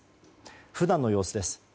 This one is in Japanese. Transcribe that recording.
普段の様子です。